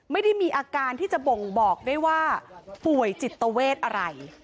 ไม่ได้มีอาการที่จะบ่งบอกได้ว่าป่วยจิตเวทอะไร